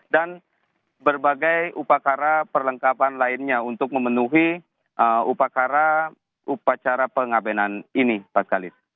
dan berbagai upacara perlengkapan lainnya untuk memenuhi upacara pengabenan ini pak kalis